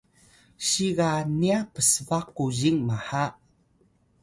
siga niya psba kuzing maha